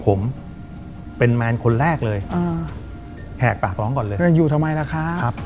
ผมเป็นแมนคนแรกเลยอืมแหกปากร้องก่อนเลยอยู่ทำไมล่ะครับ